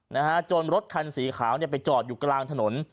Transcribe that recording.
นะฮะจนรถคันสีขาวเนี่ยไปจอดอยู่กลางถนน